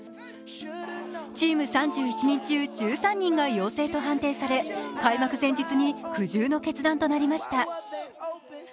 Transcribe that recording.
チーム３１人中１３人が陽性と判定され開幕前日に苦渋の決断となりました。